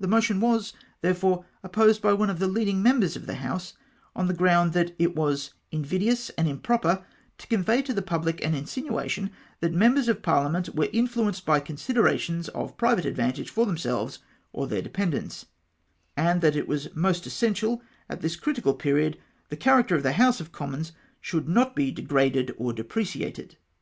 The motion was, therefore, op posed by one of the leading members of the House, on the ground that it was invidious and improper to convey to the public an insinuation that members of parliament were influenced by considerations of private advantage for themselves or their dependents; and that it was most essential, at this critical period, the character of the House of Commons should not he degraded or depre ciated.